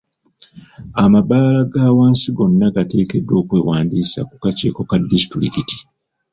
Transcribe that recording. Amabaala ga wansi gonna gateekeddwa okwewandiisa ku kakiiko ka disitulikiti.